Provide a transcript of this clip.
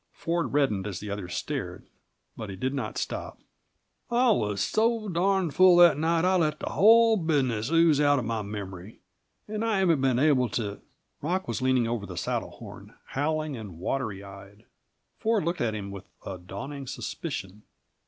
Ford reddened as the other stared, but he did not stop. "I was so darned full that night I let the whole business ooze out of my memory, and I haven't been able to " Rock was leaning over the saddle horn, howling and watery eyed. Ford looked at him with a dawning suspicion.